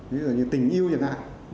ví dụ như tình yêu chẳng hạn